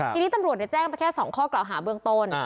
ทีนี้ตำรวจแจ้งไปแค่๒ข้อกล่าวหาเบื้องต้น